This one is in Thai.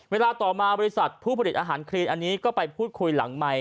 เวลามาบริษัทพูดผลิตอาหารเครียดนี้ก็ไปพูดคุยหลังใหม่